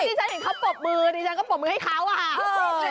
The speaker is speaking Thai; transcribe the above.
ตอนนี้ฉันเห็นเขาปบมือตอนนี้ฉันก็ปบมือให้เขาอ่ะ